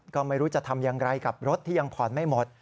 ก็ไม่รู้จะทำอย่างไรกับรถที่ยังผ่อนไม่หมด